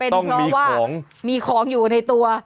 ต้องมีของเป็นเพราะว่ามีของอยู่ในตัว